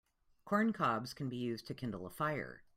Corn cobs can be used to kindle a fire.